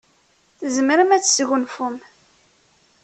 Tzemrem ad tesgunfum.